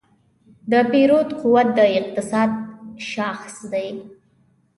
د پیرود قوت د اقتصاد شاخص دی.